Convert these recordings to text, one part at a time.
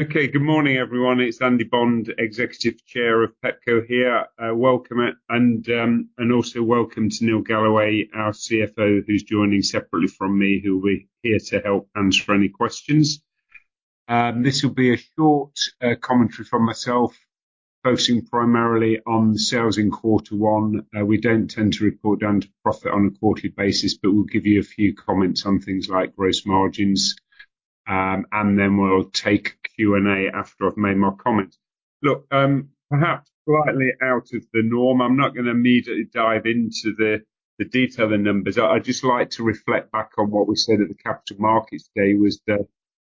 Okay, good morning, everyone. It's Andy Bond, Executive Chair of Pepco here. Welcome, and also welcome to Neil Galloway, our CFO, who's joining separately from me, who will be here to help answer any questions. This will be a short commentary from myself, focusing primarily on sales in quarter one. We don't tend to report down to profit on a quarterly basis, but we'll give you a few comments on things like gross margins, and then we'll take Q&A after I've made my comments. Look, perhaps slightly out of the norm, I'm not gonna immediately dive into the, the detail of the numbers. I'd just like to reflect back on what we said at the Capital Markets Day, was the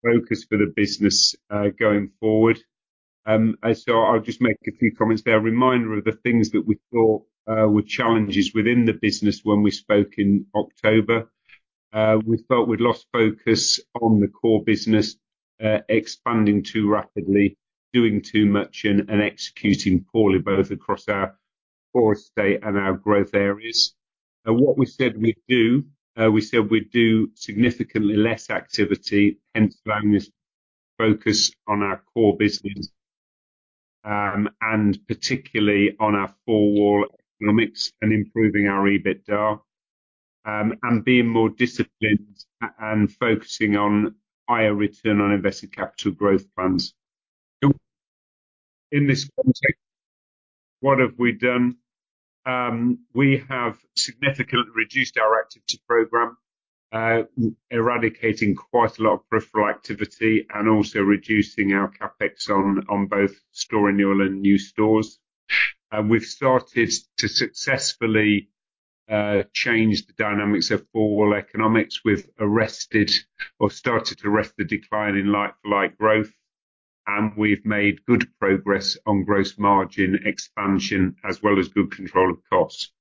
focus for the business, going forward. And so I'll just make a few comments there. A reminder of the things that we thought were challenges within the business when we spoke in October. We felt we'd lost focus on the core business, expanding too rapidly, doing too much, and executing poorly, both across our core estate and our growth areas. And what we said we'd do, we said we'd do significantly less activity, hence why this focus on our core business, and particularly on our four wall economics and improving our EBITDA, and being more disciplined and focusing on higher return on invested capital growth plans. In this context, what have we done? We have significantly reduced our activity program, eradicating quite a lot of peripheral activity and also reducing our CapEx on both store renewal and new stores. And we've started to successfully change the dynamics of four wall economics. We've arrested or started to arrest the decline in like-for-like growth, and we've made good progress on gross margin expansion, as well as good control of costs.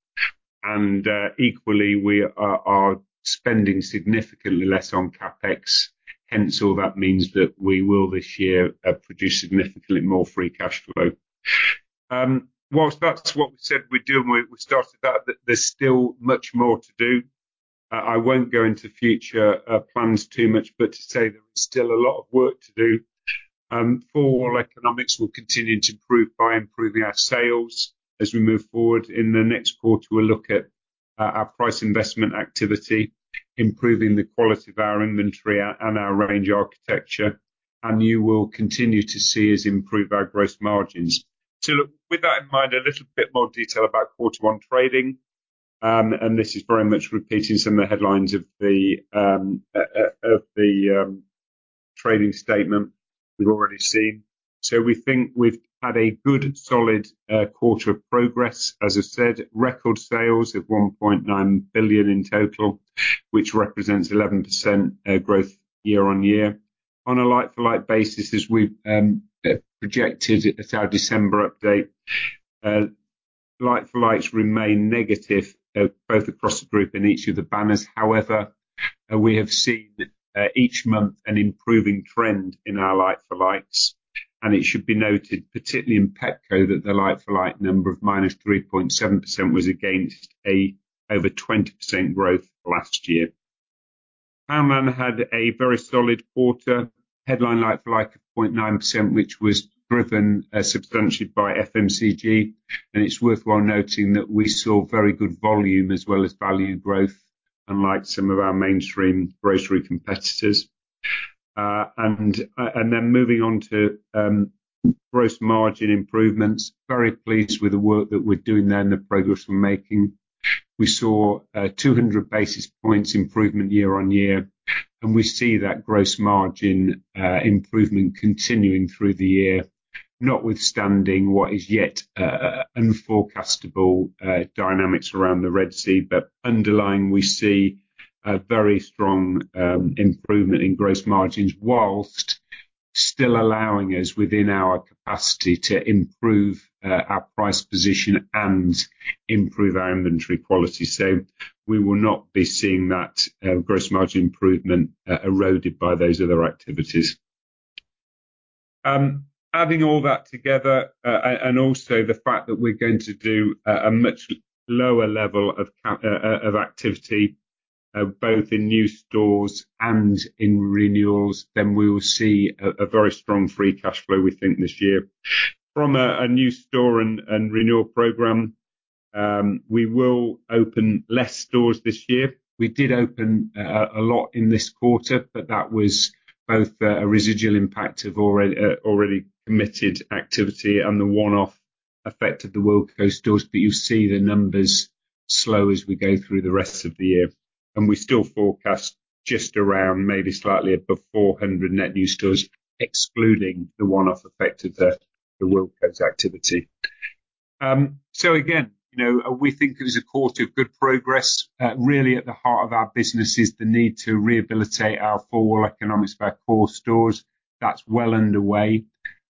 And equally, we are spending significantly less on CapEx, hence all that means that we will, this year, produce significantly more free cash flow. Whilst that's what we said we'd do and we started that, there's still much more to do. I won't go into future plans too much, but to say there is still a lot of work to do. Four-Wall economics will continue to improve by improving our sales as we move forward. In the next quarter, we'll look at our price investment activity, improving the quality of our inventory and our range architecture, and you will continue to see us improve our gross margins. So look, with that in mind, a little bit more detail about quarter one trading, and this is very much repeating some of the headlines of the trading statement we've already seen. So we think we've had a good, solid quarter of progress. As I said, record sales at 1.9 billion in total, which represents 11% growth year-on-year. On a like-for-like basis, as we've projected at our December update, like-for-likes remain negative, both across the group and each of the banners. However, we have seen each month an improving trend in our like-for-likes, and it should be noted, particularly in Pepco, that the like-for-like number of -3.7% was against over 20% growth last year. Poundland had a very solid quarter, headline like-for-like of 0.9%, which was driven, substantiated by FMCG, and it's worthwhile noting that we saw very good volume as well as value growth, unlike some of our mainstream grocery competitors. And then moving on to gross margin improvements, very pleased with the work that we're doing there and the progress we're making. We saw a 200 basis points improvement year-over-year, and we see that gross margin improvement continuing through the year, notwithstanding what is yet unforecastable dynamics around the Red Sea. But underlying, we see a very strong improvement in gross margins, whilst still allowing us within our capacity to improve our price position and improve our inventory quality. So we will not be seeing that gross margin improvement eroded by those other activities. Adding all that together, and also the fact that we're going to do a much lower level of activity both in new stores and in renewals, then we will see a very strong free cash flow we think this year. From a new store and renewal program, we will open less stores this year. We did open a lot in this quarter, but that was both a residual impact of already committed activity and the one-off effect of the Wilko stores, but you'll see the numbers slow as we go through the rest of the year. And we still forecast just around, maybe slightly above 400 net new stores, excluding the one-off effect of the Wilko activity. So again, you know, we think it was a quarter of good progress. Really at the heart of our business is the need to rehabilitate our four wall economics in our core stores. That's well underway.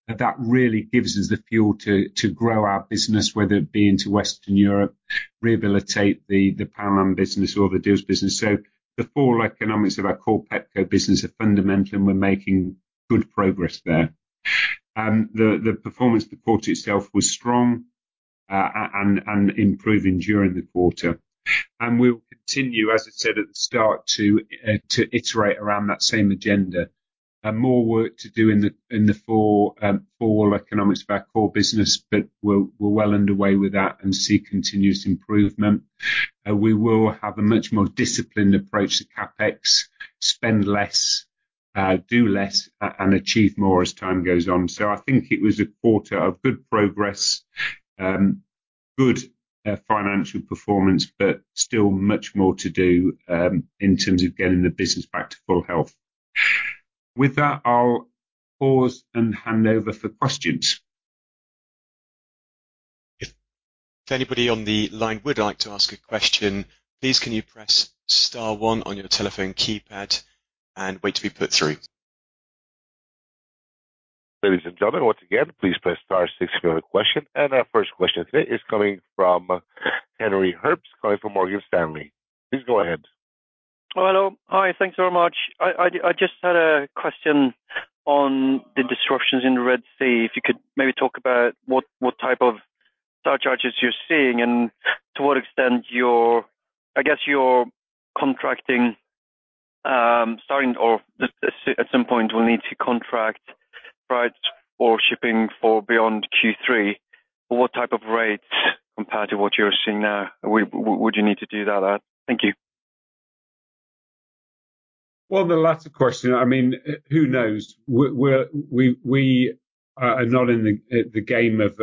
But that really gives us the fuel to grow our business, whether it be into Western Europe, rehabilitate the Poundland business or the Dealz business. So the four wall economics of our core Pepco business are fundamental, and we're making good progress there. The performance of the quarter itself was strong, and improving during the quarter. And we will continue, as I said at the start, to iterate around that same agenda. And more work to do in the four wall economics of our core business, but we're well underway with that and see continuous improvement. We will have a much more disciplined approach to CapEx, spend less, do less, and achieve more as time goes on. So I think it was a quarter of good progress, good financial performance, but still much more to do, in terms of getting the business back to full health. With that, I'll pause and hand over for questions. If anybody on the line would like to ask a question, please can you press star one on your telephone keypad and wait to be put through. Ladies and gentlemen, once again, please press star six if you have a question. Our first question today is coming from Henrik Herbst, calling from Morgan Stanley. Please go ahead. Hello. Hi, thanks very much. I just had a question on the disruptions in the Red Sea. If you could maybe talk about what type of surcharges you're seeing and to what extent you're... I guess you're contracting, starting or at some point will need to contract prices for shipping for beyond Q3. But what type of rates compared to what you're seeing now, would you need to do that at? Thank you. Well, the latter question, I mean, who knows? We're not in the game of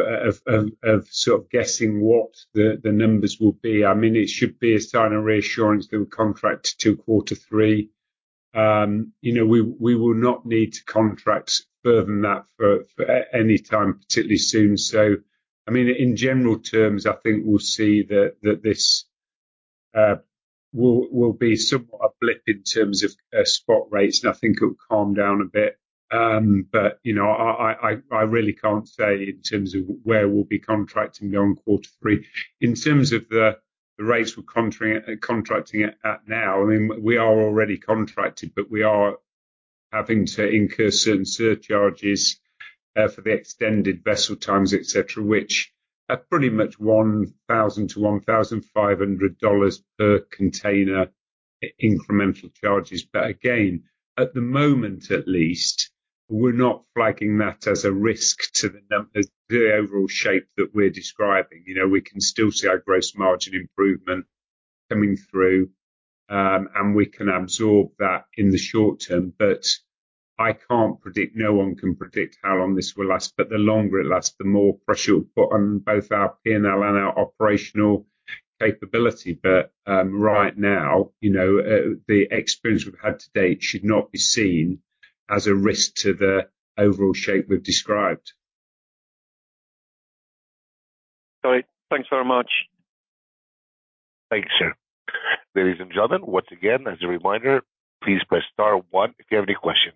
sort of guessing what the numbers will be. I mean, it should be a sign of reassurance that we contract to quarter three. You know, we will not need to contract further than that for any time, particularly soon. So, I mean, in general terms, I think we'll see that this will be somewhat a blip in terms of spot rates, and I think it'll calm down a bit. But, you know, I really can't say in terms of where we'll be contracting going quarter three. In terms of the rates we're contracting at now, I mean, we are already contracted, but we are having to incur certain surcharges for the extended vessel times, et cetera, which are pretty much $1,000-$1,500 per container incremental charges. But again, at the moment, at least, we're not flagging that as a risk to the overall shape that we're describing. You know, we can still see our gross margin improvement coming through, and we can absorb that in the short term, but I can't predict, no one can predict how long this will last, but the longer it lasts, the more pressure it will put on both our P&L and our operational capability. But, right now, you know, the experience we've had to date should not be seen as a risk to the overall shape we've described. Got it. Thanks very much. Thank you, sir. Ladies and gentlemen, once again, as a reminder, please press star one if you have any questions.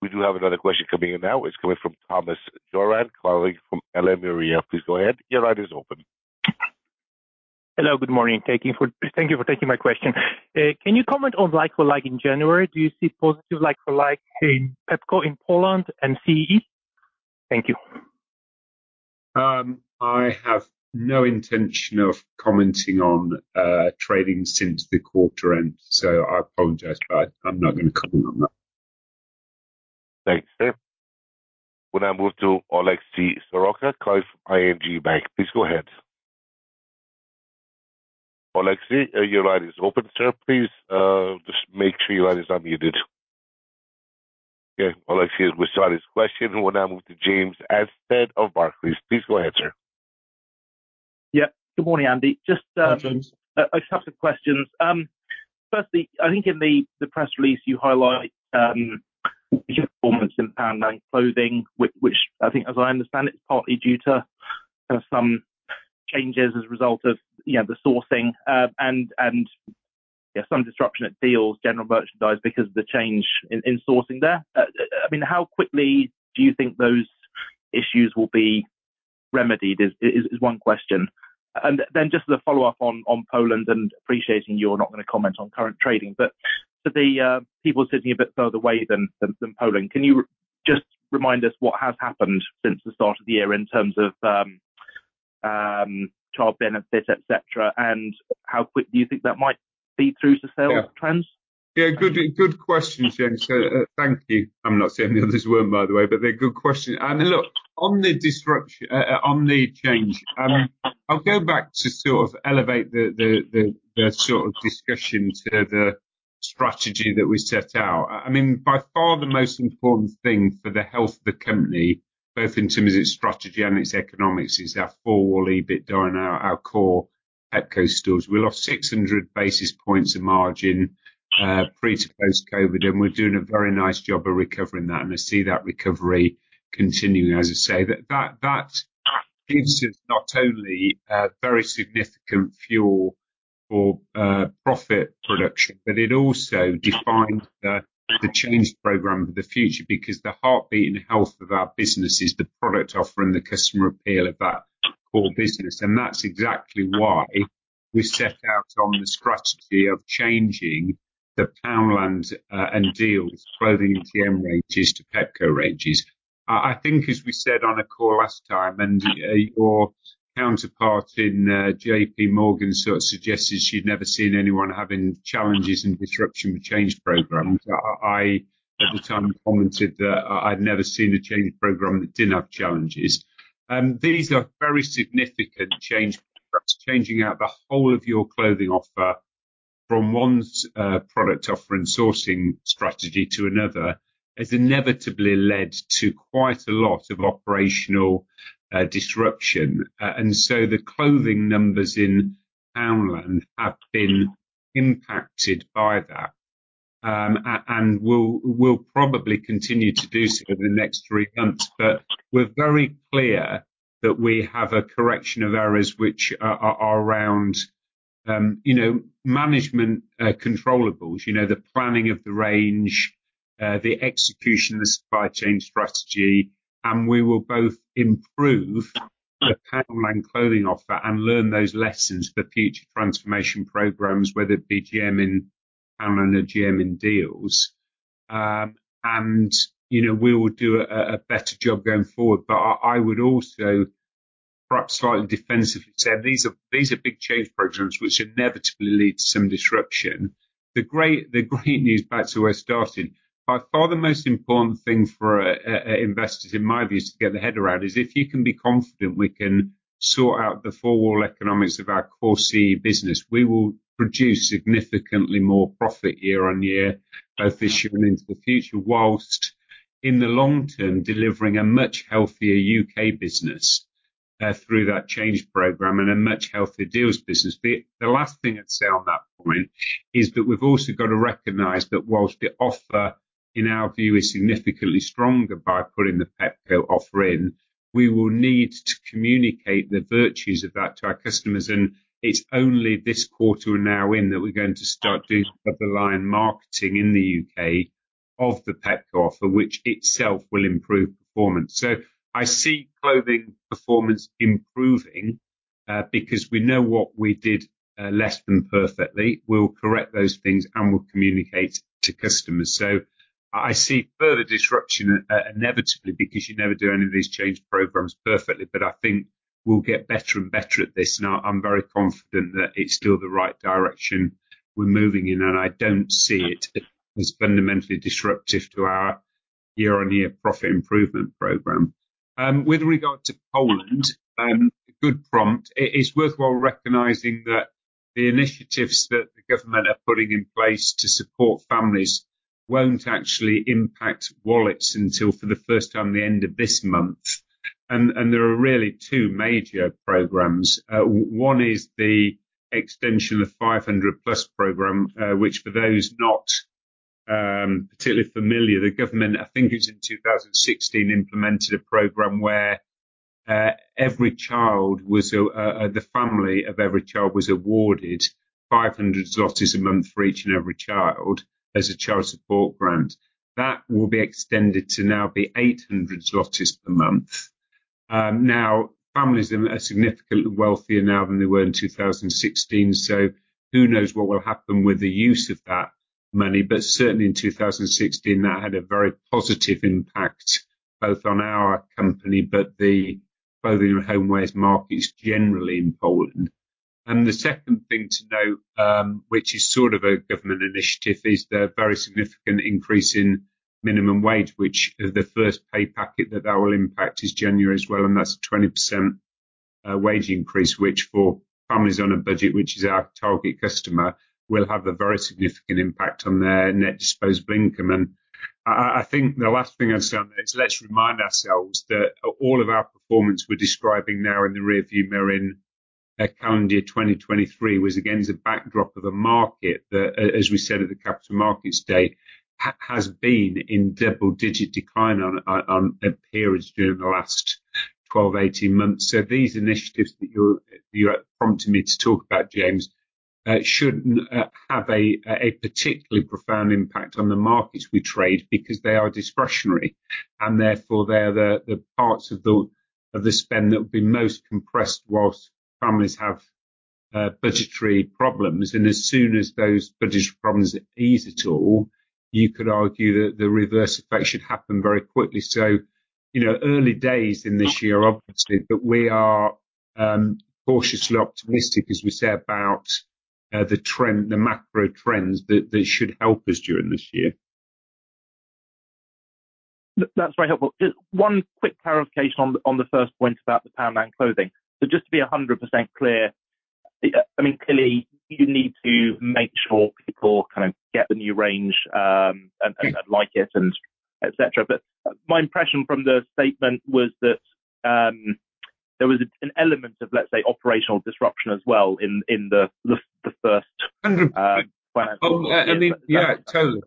We do have another question coming in now. It's coming from Thomas Sheridan, calling from RBC. Please go ahead. Your line is open. Hello, good morning. Thank you for, thank you for taking my question. Can you comment on like-for-like in January, do you see positive like-for-like in Pepco, in Poland and CEE? Thank you. I have no intention of commenting on trading since the quarter end, so I apologize, but I'm not going to comment on that. Thanks, sir. We now move to Oleksiy Soroka, calling from ING Bank. Please go ahead. Oleksiy, your line is open, sir. Please, just make sure your line is unmuted. Okay, Oleksiy has withdrawn his question. We now move to James Sheridan of Barclays. Please go ahead, sir. Yeah. Good morning, Andy. Just, Hi, James. I just have some questions. Firstly, I think in the press release, you highlight performance in Poundland clothing, which I think, as I understand, it's partly due to some changes as a result of, you know, the sourcing, and yeah, some disruption at Dealz general merchandise, because of the change in sourcing there. I mean, how quickly do you think those issues will be remedied is one question. And then just as a follow-up on Poland, and appreciating you're not going to comment on current trading, but for the people sitting a bit further away than Poland, can you just remind us what has happened since the start of the year in terms of child benefit, et cetera, and how quick do you think that might feed through to sales trends? Yeah, good, good question, James. Thank you. I'm not saying the others weren't, by the way, but they're good questions. And look, on the disruption, on the change, I'll go back to sort of elevate the sort of discussion to the strategy that we set out. I mean, by far, the most important thing for the health of the company, both in terms of its strategy and its economics, is our four-wall EBITDA and our core Pepco stores. We lost 600 basis points of margin, pre to post COVID, and we're doing a very nice job of recovering that, and I see that recovery continuing. As I say, that gives us not only a very significant fuel for profit production, but it also defines the change program for the future, because the heartbeat and health of our business is the product offering, the customer appeal of that core business. And that's exactly why we set out on the strategy of changing the Poundland and Dealz clothing and GM ranges to Pepco ranges. I think, as we said on a call last time, and your counterpart in JP Morgan sort of suggested she'd never seen anyone having challenges and disruption with change programs. I at the time commented that I'd never seen a change program that didn't have challenges. These are very significant change programs. Changing out the whole of your clothing offer from one's product offer and sourcing strategy to another has inevitably led to quite a lot of operational disruption. And so the clothing numbers in Poundland have been impacted by that, and will probably continue to do so in the next three months. But we're very clear that we have a correction of errors which are around you know management controllables. You know, the planning of the range, the execution of the supply chain strategy, and we will both improve the Poundland clothing offer and learn those lessons for future transformation programs, whether it be GM in Poundland or GM in Dealz. And, you know, we will do a better job going forward. But I would also, perhaps slightly defensively say, these are big change programs which inevitably lead to some disruption. The great news back to where I started, by far the most important thing for investors, in my view, is to get their head around, is if you can be confident we can sort out the four wall economics of our core CE business, we will produce significantly more profit year on year, both this year and into the future, whilst in the long term, delivering a much healthier UK business through that change program, and a much healthier Dealz business. The last thing I'd say on that point is that we've also got to recognize that while the offer, in our view, is significantly stronger by putting the Pepco offer in, we will need to communicate the virtues of that to our customers, and it's only this quarter we're now in, that we're going to start doing above the line marketing in the UK of the Pepco offer, which itself will improve performance. So I see clothing performance improving, because we know what we did less than perfectly. We'll correct those things, and we'll communicate to customers. So I see further disruption inevitably, because you never do any of these change programs perfectly, but I think we'll get better and better at this, and I, I'm very confident that it's still the right direction we're moving in, and I don't see it as fundamentally disruptive to our year-on-year profit improvement program. With regard to Poland, a good prompt. It is worthwhile recognizing that the initiatives that the government are putting in place to support families won't actually impact wallets until, for the first time, the end of this month. And there are really two major programs. One is the extension of Five Hundred Plus program, which for those not particularly familiar, the government, I think it was in 2016, implemented a program where every child was... The family of every child was awarded 500 zlotys a month for each and every child as a child support grant. That will be extended to now be 800 zlotys per month. Now, families are significantly wealthier now than they were in 2016, so who knows what will happen with the use of that money, but certainly in 2016, that had a very positive impact both on our company, but the clothing and homewares markets generally in Poland. And the second thing to note, which is sort of a government initiative, is the very significant increase in minimum wage, which the first pay packet that that will impact is January as well, and that's a 20%, wage increase, which for families on a budget, which is our target customer, will have a very significant impact on their net disposable income. I think the last thing I'd say on this, let's remind ourselves that all of our performance we're describing now in the rearview mirror in calendar year 2023, was, again, the backdrop of a market that, as we said at the Capital Markets Day, has been in double-digit decline on periods during the last 12, 18 months. So these initiatives that you're prompting me to talk about, James, shouldn't have a particularly profound impact on the markets we trade because they are discretionary, and therefore, they're the parts of the spend that will be most compressed while families have budgetary problems. As soon as those budgetary problems ease at all, you could argue that the reverse effect should happen very quickly. So, you know, early days in this year, obviously, but we are cautiously optimistic, as we say, about the trend, the macro trends that should help us during this year. That's very helpful. Just one quick clarification on the first point about the Poundland clothing. So just to be 100% clear, I mean, clearly, you need to make sure people kind of get the new range, and like it and et cetera. But my impression from the statement was that there was an element of, let's say, operational disruption as well, in the first- Oh, yeah, I mean, yeah, totally.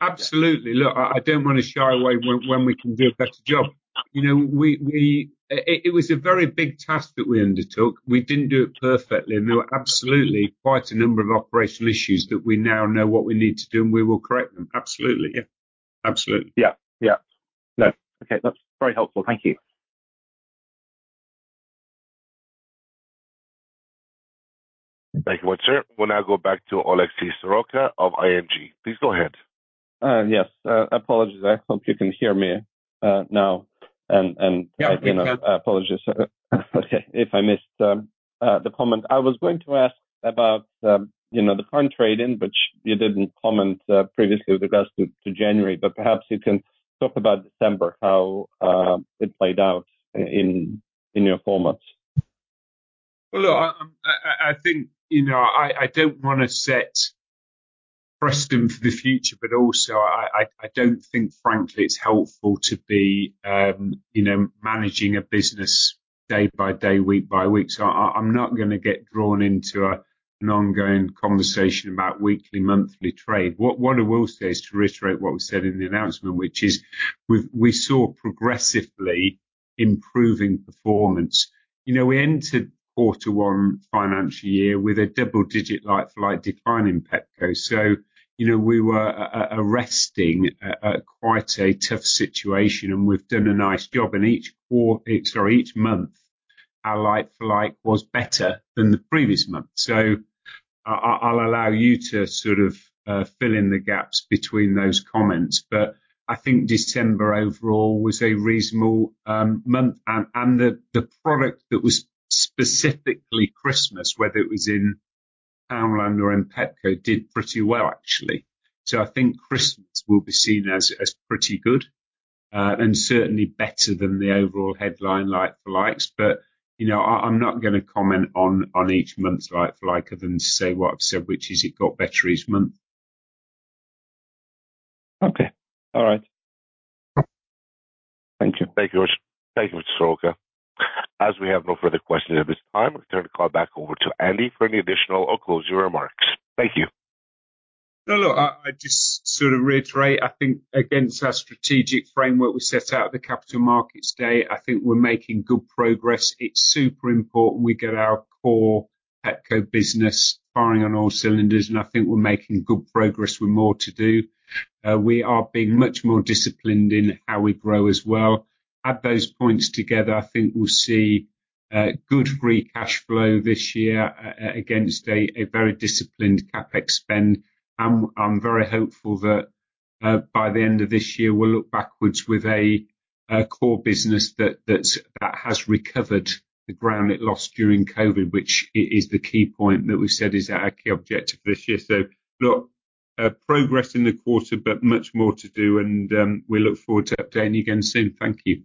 Absolutely. Look, I don't want to shy away when we can do a better job. You know, we... It was a very big task that we undertook. We didn't do it perfectly, and there were absolutely quite a number of operational issues that we now know what we need to do, and we will correct them. Absolutely, yeah. Absolutely. Yeah. Yeah.... No. Okay, that's very helpful. Thank you. Thank you, sir. We'll now go back to Oleksiy Soroka of ING. Please go ahead. Yes, apologies. I hope you can hear me now. Yeah, we can. Apologies, if I missed the comment. I was going to ask about, you know, the current trade-in, which you didn't comment previously with regards to January, but perhaps you can talk about December, how it played out in your formats. Well, I think, you know, I don't wanna set precedent for the future, but also I don't think, frankly, it's helpful to be, you know, managing a business day by day, week by week. So I'm not gonna get drawn into an ongoing conversation about weekly, monthly trade. What I will say is to reiterate what we said in the announcement, which is we saw progressively improving performance. You know, we entered quarter one financial year with a double-digit like-for-like decline in Pepco. So, you know, we were addressing a quite tough situation, and we've done a nice job in each month, our like-for-like was better than the previous month. So I'll allow you to sort of fill in the gaps between those comments, but I think December overall was a reasonable month. And the product that was specifically Christmas, whether it was in Poundland or in Pepco, did pretty well, actually. So I think Christmas will be seen as pretty good, and certainly better than the overall headline like-for-likes. But you know, I'm not gonna comment on each month's like-for-like other than to say what I've said, which is it got better each month. Okay. All right. Thank you. Thank you very much. Thank you, Mr. Soroka. As we have no further questions at this time, I'll turn the call back over to Andy for any additional or closing remarks. Thank you. No, look, I just sort of reiterate, I think, against our strategic framework we set out at the Capital Markets Day, I think we're making good progress. It's super important we get our core Pepco business firing on all cylinders, and I think we're making good progress. We've more to do. We are being much more disciplined in how we grow as well. Add those points together, I think we'll see good free cash flow this year against a very disciplined CapEx spend. I'm very hopeful that by the end of this year, we'll look backwards with a core business that has recovered the ground it lost during COVID, which is the key point that we've said is our key objective this year. So look, progress in the quarter, but much more to do, and we look forward to updating you again soon. Thank you.